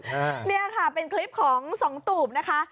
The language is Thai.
นี่ค่ะเป็นคลิปของสองตูบนะคะ